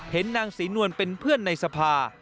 นางศรีนวลเป็นเพื่อนในสภา